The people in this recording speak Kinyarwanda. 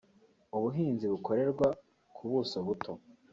ubuhinzi bukorerwa ku buso buto